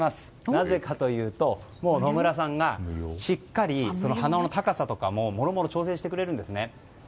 なぜかというと野村さんが、しっかり鼻緒の高さとか、もろもろ調整してくれるんですね。